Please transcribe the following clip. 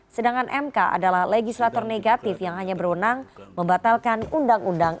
sedangkan mk adalah legislator negatif yang hanya berwenang membatalkan undang undang